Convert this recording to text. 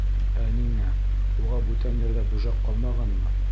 — Ә ниңә, уға бүтән ерҙә бөжәк ҡалмағанмы?